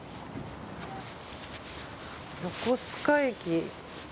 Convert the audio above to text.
横須賀駅。